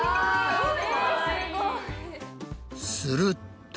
すると。